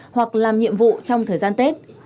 hoặc làm nhiệm vụ trong thời gian tết